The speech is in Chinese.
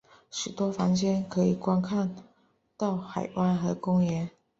许多房间可以观看到海湾和公园。